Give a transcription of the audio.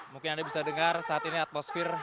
mungkin anda bisa dengar saat ini atmosfer